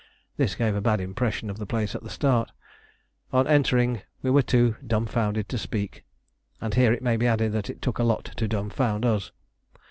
This gave a bad impression of the place at the start. On entering, we were too dumfounded to speak, and here it may be added that it took a lot to dumfound us.